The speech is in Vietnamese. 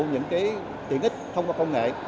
những cái tiện ích thông qua công nghệ